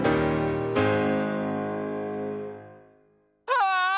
ああ！